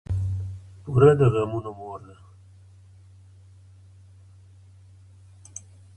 پور د غمونو مور ده.